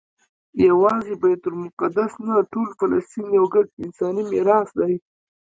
یوازې بیت المقدس نه ټول فلسطین یو ګډ انساني میراث دی.